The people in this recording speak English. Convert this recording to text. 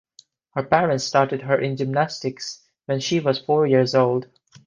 Her parents started her in gymnastics when she was four years old.